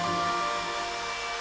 nah ada empat tadi banyak tuh